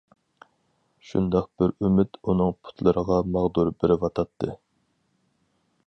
شۇنداق بىر ئۈمىد ئۇنىڭ پۇتلىرىغا ماغدۇر بېرىۋاتاتتى.